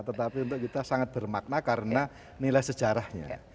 tetapi untuk kita sangat bermakna karena nilai sejarahnya